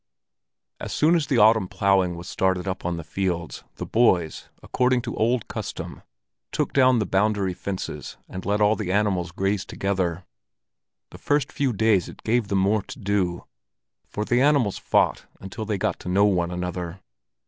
As soon as the autumn ploughing was started up on the fields, the boys, according to old custom, took down the boundary fences and let all the animals graze together. The first few days it gave them more to do, for the animals fought until they got to know one another.